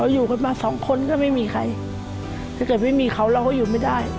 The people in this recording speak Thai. อย่าให้พี่ตุ๋มมีความสุข